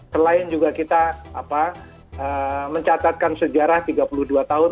selain juga kita mencatatkan sejarah tiga puluh dua tahun